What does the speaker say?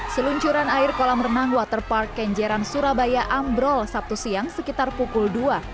seluncuran air kolam renang waterpark kenjeran surabaya ambrol sabtu siang sekitar pukul dua